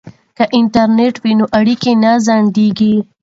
که انټرنیټ وي نو اړیکه نه ځنډیږي.